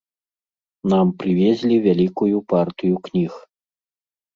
Нам прывезлі вялікую партыю кніг.